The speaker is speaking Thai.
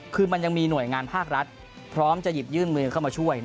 คือมันยังมีหน่วยงานภาครัฐพร้อมจะหยิบยื่นมือเข้ามาช่วย